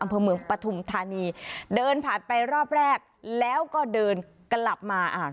อำเภอเมืองปฐุมธานีเดินผ่านไปรอบแรกแล้วก็เดินกลับมาอ่า